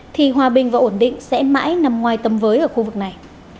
thì hòa bình và ổn định sẽ mãi nằm ngoài tầm với ở khu vực này